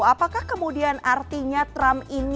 apakah kemudian artinya trump ini